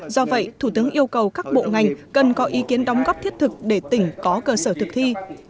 do vậy thủ tướng yêu cầu các bộ ngành cần có ý kiến đóng góp thiết thực để tỉnh có cơ sở thực thi